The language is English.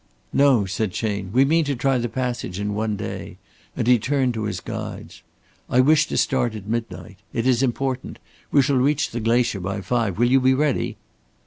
"No," said Chayne. "We mean to try the passage in one day"; and he turned to his guides. "I wish to start at midnight. It is important. We shall reach the glacier by five. Will you be ready?"